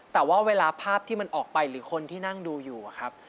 แต่ว่าเวลาภาพที่มันออกไปหรือคนที่นั่งดูอยู่อะครับ